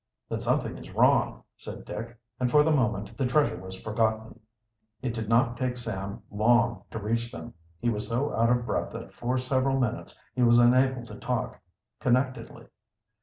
"Then something is wrong," said Dick, and for the moment the treasure was forgotten. It did not take Sam long to reach them. He was so out of breath that for several minutes he was unable to talk connectedly.